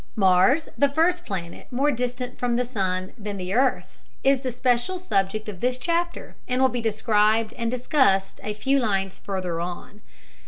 Mars, the first planet more distant from the sun than the earth, is the special subject of this chapter, and will be described and discussed a few lines further on.